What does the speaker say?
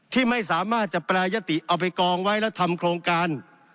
ที่ไม่สามารถจะแปรยติเอาไปกองไว้แล้วทำโครงการ